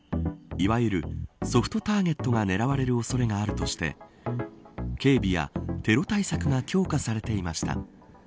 いわゆるソフトターゲットが狙われる恐れがあるとして警備やテロ対策が強化されていました。